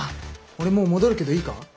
俺もう戻るけどいいか？